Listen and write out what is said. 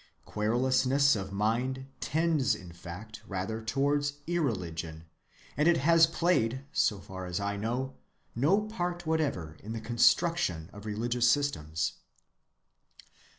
Querulousness of mind tends in fact rather towards irreligion; and it has played, so far as I know, no part whatever in the construction of religious systems.